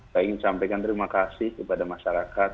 saya ingin sampaikan terima kasih kepada masyarakat